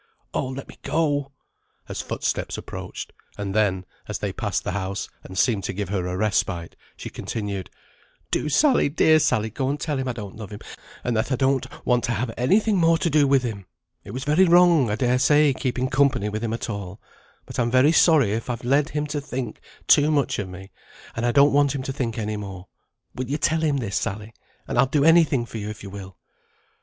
Oh, let me go," as footsteps approached; and then, as they passed the house, and seemed to give her a respite, she continued, "Do, Sally, dear Sally, go and tell him I don't love him, and that I don't want to have any thing more to do with him. It was very wrong, I dare say, keeping company with him at all, but I'm very sorry, if I've led him to think too much of me; and I don't want him to think any more. Will you tell him this, Sally? and I'll do any thing for you if you will."